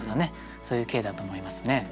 そういう景だと思いますね。